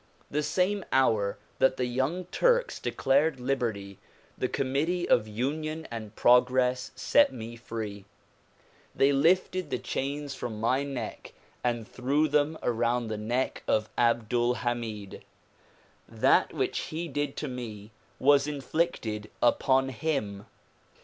The same hour that the Young Turks declared liberty, the Committee of Union and Progress set me free. They lifted the chains from my neck and threw them around the neck of Abdul Hamid. That which he did to me was inflicted upon him.